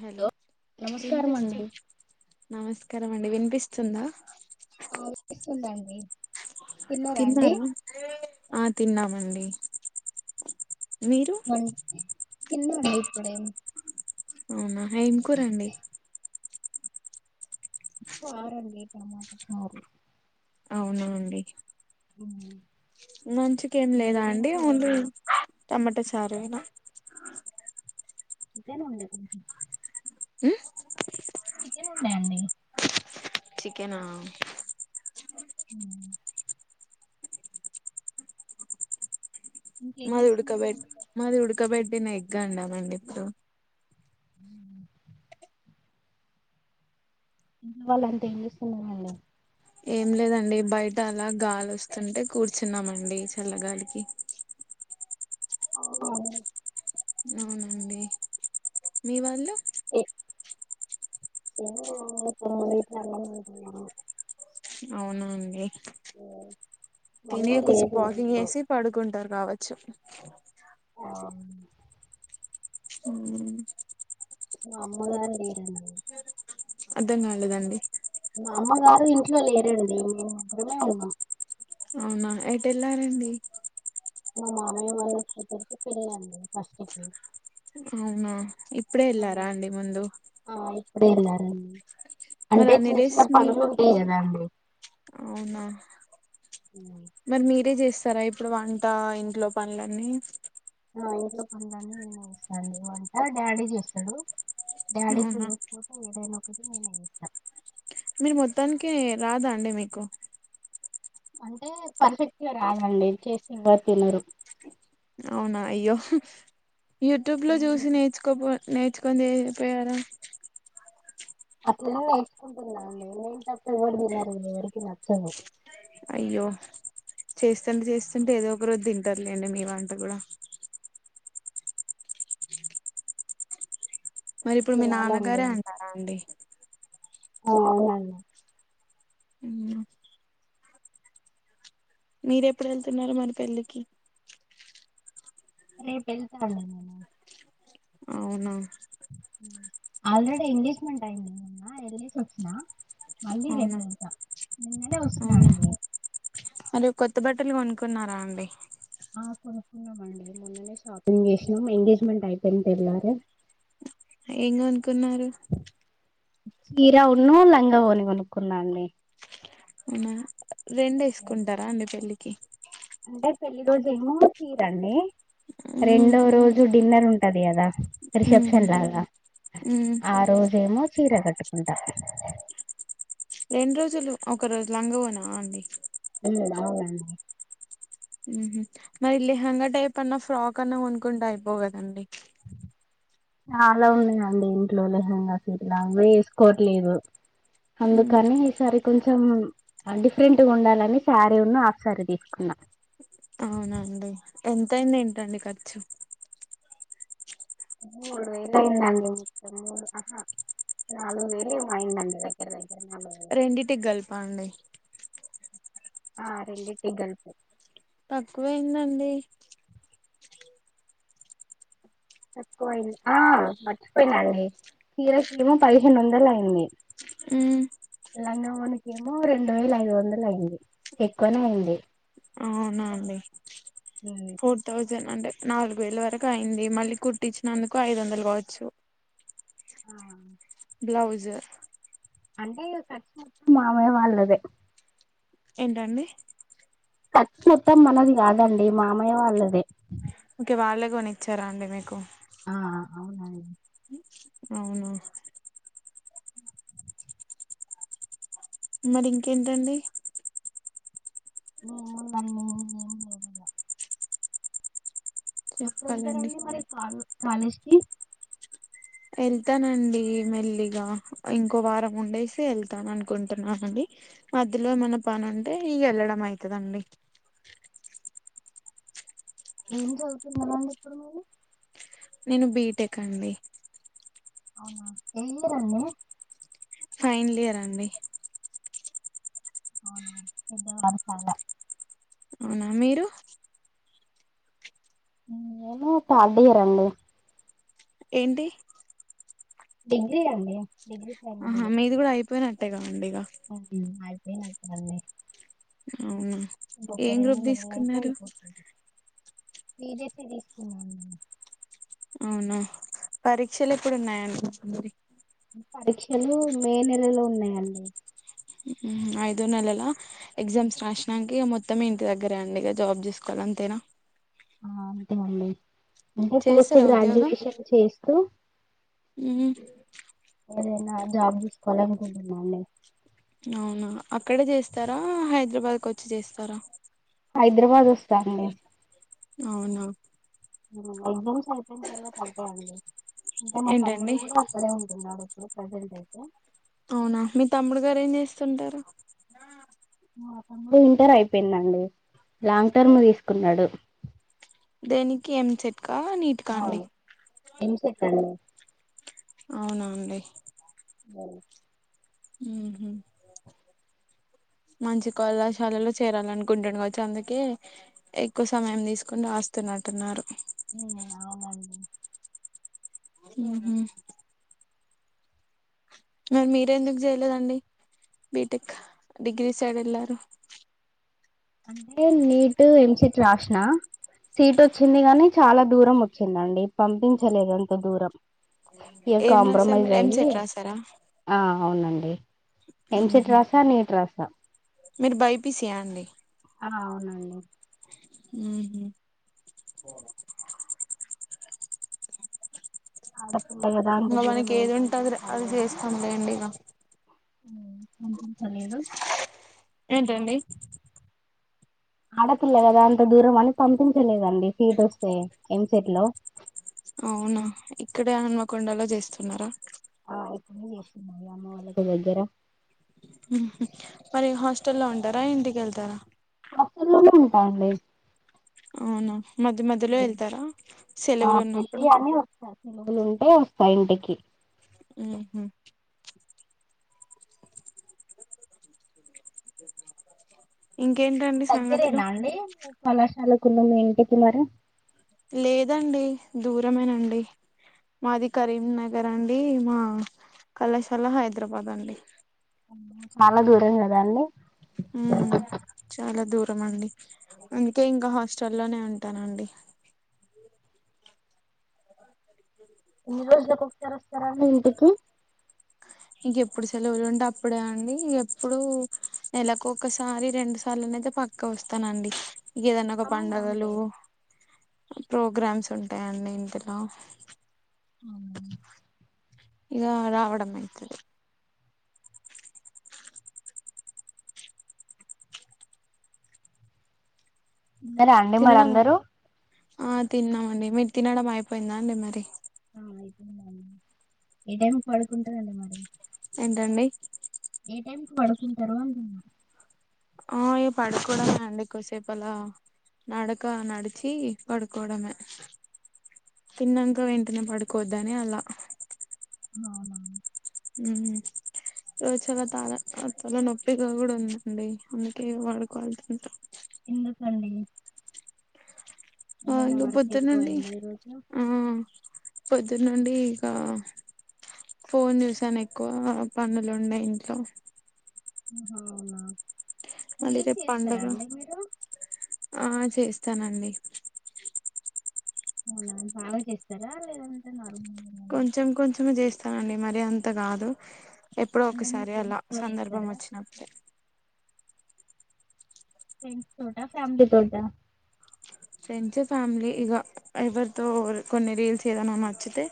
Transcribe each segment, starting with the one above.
Hello నమస్కారం వినిపిస్తూ అండి నమస్ కరమండి వినిపిస్తుందా? ఆవిస్తుందండి తిన్నారా అండి తిన్నార? ఆ తిన్నామండి. మీరు మం తిన్నండి ఇప్పుడేమ్ అవునా ఏం కూరండి చారండి టమాట చారు అవునా అండి నంచుకేం లేదా మీదేం అండి ఓన్లీ కూరండి టమాటా చారుయేనా చికెన్ ఉండే కొంచం ఉ చికెన్ ఉండా అండి చికెనా ఉమ్ ఇంకేం మాది ఉడుకబెట్ చేస్తున్నారండి మాది ఉడుక బెట్టిన ఎగ్ ఎగ్ అండామండి ఇప్పుడు హుమ్ ఉహు వాళ్ళు అంతా ఏంచేస్తున్నారండి? ఏం లేదండి బయట అలా గాలి వస్తుంటే కూర్చున్నామండి చల్లగాలికి ఓ అవునండి మీ వాళ్ళు ఏ ఏమి లేదండి పొనువెట్టిన అన్నం తింటున్న అవునా అండి తినే కోసేపు వాకింగ్ తింటున్నారు చేసి పడుకుంటారు కావ చ్చు ఆ ఉం నీళ్ళు అర్థం కాలేదండి మా అమ్మ గారు ఇంట్లో లేరండి మే ముగ్గురమే ఉన్నం అవునా ఎటు ఎళ్లారండి మా మామయ్య వాళ్ళ కూతురికి పెళ్ళండి ఫస్ట్కి అవునా ఇప్పుడే ఎళ్ళారా అండి ముందు ఆ, ఇప్పుడే ఎల్లారండి మరి అన్నిడేస్ మీరు అండి అవునా ఉమ్. మరి మీరే చేస్ తరే ఇప్పుడు వంట ఇంట్లో పనులన్నీ ఆ ఇంట్లో పనులన్ని నేనే చేస్తా అండి వంట డాడీ చేస్తడు డాడీ అవునా కుదురకపోతే ఏదైనా కుకింగ్ నేనే చేస్తా మీరు మొత్తానికి రాదా అండి మీకు అంటే పర్ఫెక్ట్గా రాదండి చేస్తే ఎవరు తినరు అవునా అయ్యో యూట్యూబ్ లో ఉమ్. చూసి నేర్చుకోపో. నేర్చుకుని ఏపోయారు. అట్ల నేర్చుకుంటున్నా నే ఏ తప్ప ఎవరు తన్నారు ఎవరికి నచ్చదు. అయ్యో చేస్తంటే చేస్తుంటే, ఏదో ఒక రొజు తింటారులేండి, మీ వంట కూడా. మరి ఇప్పుడు మీ తినాలండి నాన్నగారే అన్నారా అండి. అవునండి. ఉమ్, మీర ఎప్పుడు వెళ్తున్నారు మరి పెళ్ళికి. రేపు ఎల్తా అండి నేను. అవునా. ఆల్రెడి ఎంగేజ్మెంట్ అయింది నిన్న, ఎల్ సివొచ్చిన. మళ్ళీ అవునా రేపేల్తా, నిన్ననే వొచ్చిన అవునా అండి. మరి కొత్త బట్టలు కొనుక్కున్నారా అండి ఆ కోనుకున్నమండి మొన్ననే షాపింగ్ చేసినాం ఎంగేజ్మెంట్ అయిపోయిన తెళ్లారే ఏం కోనుకున్నారు చీర ఉన్ను లంగ ఓని కొనుక్కున్న అండి అవునా రెండు ఏసుకుంటారా అండి పెళ్ళికి అంటే పెళ్లి రోజు ఏమో చీరండి మ్మ్ రెండో రోజు డిన్నర్ ఉం అది గద. మ్మ్ రిసెప్షన్ లాగా, మ్మ్ ఆ రోజేమో, చీర కట్టు. ఉంటా. రెండు రోజులు, ఒక రోజు లంగవనా అండి. ఇలా లావుగండి. ఉమ్ మరి లేహంగ టైప్ అన్న, ఫ్రాక్ అన్నా కొనుకుంటే, అయిపోగదండి. చాలా ఉన్నాయండి ఇంట్లో లెహంగా సీట్లా అవిే వేసుకోవట్లేదు, మ్మ్ అందుకని ఈసారి కొంచెం అ డిఫరెంట్గా ఉండాలని, శారీ ఉన్న హాఫ్ సారీ, తీసుకున్నా. అవునండి, ఎంతయింది ఏంటండి ఖర్చు. మూడువేలు అయిందండి, మొత్తం, మూడు అ హ, నాలుగు వేలు ఏమో అయిందండి, దగ్గర దగ్గర. నాలుగు వేలు రెండింటికి గలిపా అండి. ఆ రెడిటికి గలీపు. తక్కువయిందండి. తక్కువయింది, ఆ మర్చిపోయినండి, చీరకి ఏమో పదిహేను వందలు అయింది, మ్మ్ లంగావోణికి ఏమో రెండు వేల ఐదు వందలు అయింది, ఎక్కువనే అయింది, అవునా అండి ఉమ్. ఫోర్ థౌజండ్ అంటే. నాలుగు వేల వరకు అయింది, మళ్ళీ కుట్టించినందుకు ఐదు వందలు కావచ్చు. అ. బ్లౌజ్. మామయ్య వాళ్లదే. ఏంటండి. ఖర్చు మొత్తం మనది కాదండి, మామయ్య వాళ్ళదే. ఓకే వాళ్ళ కొనిచ్చారా అండి మీకు. ఆ అవునండి. అవును. మరి ఇంకేంటండి. [unintelligible] చెప్పాలండి ఇప్పుడేళ్తారండి మరి కాలే. కాలేజ్కి. వెళ్తానండి మెల్లిగా, ఇంకో వారం ఉండేసి ఎళ్తాను అనుకుంటున్నానండి, మధ్యలో ఏమన్నా పని ఉంటే, ఇగ ఎళ్ళడం అయితదండీ. ఏం చదువుతున్నరండి, ఇప్పుడు మీరు. నేను బీటెక్ అండి అవునా ఏ ఇయరండి ఫైన్లియర్ అండి ఆవున [unintelligible] అవునా మీరు నేను థర్డ్ ఇయరండి ఏంటి డిగ్రీ అండి. డిగ్రీ ఆహా మీది కూడా అయిపోయిన. అంతేగా అండి. ఇగ [unintelligible] హాయ్ [unintelligible] అండి అవునా ఏం గ్రూప్ ధీసుకున్నారు బీ జెడ్ సి తీసుకున్నాను అవునా పరీక్షలు ఎప్పుడున్నాయండీ పరీక్షలు మే నెలలో ఉన్నాయండి హ్ మ్ అయిదు నేలలాల ఎగ్జామ్స్ రాష్ణంకే మొత్తం ఇంట్ దగ్గరే అండి ఇగా జాబ్ జుసుకోల అంతేనా ఆ అంతే అండి అంటే పోస్ట్ గ్రాడ్యుయేషన్ చేస్తూ హ్మ ఏదైనా జబ్ చూసుకోలనుకుంటున్నడి అవునా అక్కడే చేస్తారా హైదరాబాద్కోచ్చి చేస్తారా హైదరాబాద్ వస్తా అండి అవునా హ్మ ఎగ్జామ్స్ అయిపేన్ తర్వాత అంతే అండి అంటే మా తమ్ముడు ఏంటండి కూడా అక్కడే ఉంటున్నాడు ప్రజెంట్ ఐతే అవునా మీ తమ్ముడు గారు ఏం చేస్తుంటారు మా తముడు ఇంటర్ అయిపేందండి లాంగ్ టర్మ్ తీస్కున్నాడు దేనికి ఏం సెట్ అవును ఏం సెట్ అండి అవునా అండి [unintelligible] హ్మ హ్ మంచి కళాశాలలో చేరాలనుకుంటన్ కావచ్చు అందుకే ఎక్కువ సమయం దిస్కోన్ రాస్తున్నట్టున్నారు ఉ అవునండి హ్ హు మరి మీరు ఎందుకు చేయలేదండి బీటెక్ డిగ్రీ సైడ్ వెళ్లారు అంటే నీట్ ఎంసెట్ రాసిన సీట్ వచ్చింది కాగానీ చాలా దూరం వచ్చిందండి పంపించలేదు అంత దూరం ఇంకా ఏం రాశారు కాంప్రమైజ్ మీరు? అయి ఎంసెట్ రాసారా అవునండి ఎంసేట్ ఉహు రాసా నీట్ రాసా మీరు బైపిసియా అండి ఆ అవునండి ఉ హు అడ ఇంగ మనకి ఎదుంటదిరే అది జేస్తండే ఇగ హ్మ కన్పించలేదు ఏంటండి ఆడపిల్ల గదా అంత దూరం అని పంపించలేదండి సీటోస్తే ఎంసట్లో అవునా ఇక్కడే హనమకొండలో చేస్తున్నారా నే జేస్తున్నా ఈ అమ్మ వాళ్ళకు దెగ్గర మరి హాస్టల్లో ఉంటారా ఇంటికెళ్తారా హాస్టల్లో నే ఉంటాం అండి అవునా మధ్య మధ్యలో వెళ్తారా సెలవులు ఉన్నప్పుడు నవ్వు ఉంటే వస్తా ఇంటికి ఉహు ఆ దగ్గరేనా అండి మీ కళాశాల పిల్లలు ఎంత కి వెళ్ళారు లేదండి దూరమేనండి మాది కరీంనగర్ అండి మా కళాశాల హైదరాబాద్ అండి అమ్మో చాలా దూరం కదా అండి హు చాలా దూరం దూరం అండి అందుకే ఇంకా హాస్టల్ల్లోనే ఉంటానండి ఎన్ని రోజులు ఒకసారి వస్తారు ఇంటికి ఇంకెప్పుడు సెలవులు ఉంటే అప్పుడే అండి ఎప్పుడు నెలకు ఒకసారి రెండు సార్లున అయితే పక్కా వస్తానండి. ఏదైనా ఒక అవునా పండగలు అండి ప్రోగ్రామ్స్ ఉంటాయండి ఇంటి లో అవున ఇగా రావడము అయితుది రా అండి మరి తినడమే అందరూ ఆ తిన్నామండి మీరు తినడం అయిపోయిందా అండి మరి ఆ అయిపోందండి ఏ టైం పాడుకుంటారండి మరి ఏంటండి ఏ టైమ్ కి పడుకుంటారో అంటున్న ఆయ పడుకోవడమే అండి ఎసేపు అలా నడక నడిచి పడుకోవడమే తిన్నాక వెంటనే పడుకోవద్దని అలా అవునా రోజచాలా తాలా త తాల నొప్పిగా కూడా ఉందండి అందుకే వాడుకోలతుంటాం ఎందుకండి ఆ ఏమైనా ఇక వర్క్ పొద్దు ఎక్కువ నుండి అయిందా ఈరోజు ఆ పొద్దున్న నుండి ఇక ఫోన్ చూసాను ఎక్కువ పనులు ఉన్నాయ్ ఇంట్లో అహా అవునా మళ్ళీ రీల్స్ రేపు చేస్తారా పండగ అండి మీరు ఆ చేస్తానండి అవునా బాగా చేస్తారా లేదంటే నార్మల్ కొంచెం కొంచమే చేస్తానండి మరి అంత కాదు ఎప్పుడో అంటే మీ ఒకసారి అలా ఫ్రెండ్స్ తో సందర్భం చేస్తారా వచ్చినప్పుడే ఫ్రెండ్స్ తోట ఫ్యామిలీ తోట ఫ్రెండ్స్ ఫ్యామిలీ ఇక ఎవరితో కొన్ని రీల్స్ ఏదైనా నచ్చితే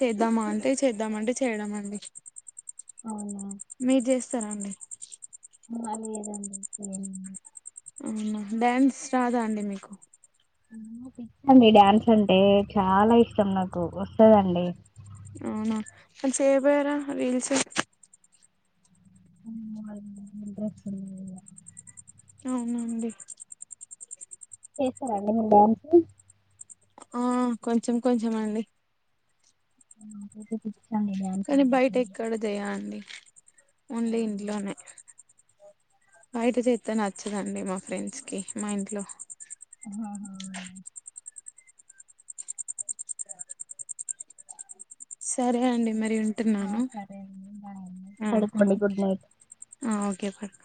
చేద్దామా అంటే చేద్దామ అంటే చేయడం అండి. అవునా మీరు చేస్ సరే అండి ఆ లేదండీ చేయను ఓనా డ్యాన్స్ రాదా అండి మీకు అమ్మో పిచ్చండి డ్యాన్స్ అంటే చాలా ఇష్టం నాకు వస్తదండి. అవున మరి చేయక పోయర రీల్స్ అమ్మో హస్బెండ్ [inaudible] అవున అండి చేస్తర అండి మరి డాన్స్ ఆ కొంచెం కొంచెం అండి హా కొంచెం కొంచెం కనీ బయట ఎక్కడ చేయ అండి ఓన్లీ అవునా ఇంట్లోనే బయట చెత్తే నచ్చదండి మా ఫ్రెండ్స్ కి మా ఇంట్లో ఆహా సరే అండి మరి ఆ తింటున్నాను సరే అండి బాయ్ అండి హ హ పడుకోండి గుడ్ నైట్ ఒ ఓకే పడుకో